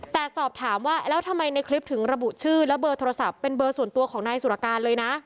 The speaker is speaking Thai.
แต่สอบถามว่าแล้วทำไมในคลิปถึงระบุชื่อและเบอร์โทรศัพท์เป็นเบอร์ส่วนตัวของนายสุรการเลยนะ